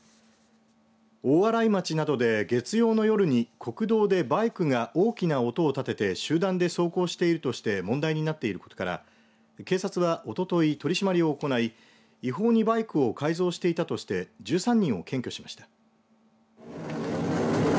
大洗町などで月曜の夜に国道でバイクの大きな音を立てて集団で走行しているとして問題になっていることから警察はおととい取り締まりを行い違法にバイクを改造していたとして１３人を検挙しました。